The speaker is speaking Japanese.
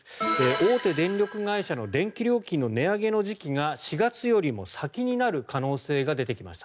大手電力会社の電気料金の値上げの時期が４月よりも先になる可能性が出てきました。